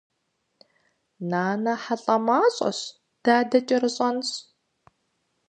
Нанэ хьэлӏамащӏэщ, дадэ кӏэрыщӏэнщ.